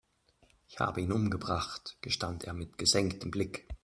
Ich habe ihn umgebracht, gestand er mit gesenktem Blick.